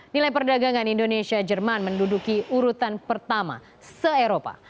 nilai perdagangan indonesia jerman menduduki urutan pertama se eropa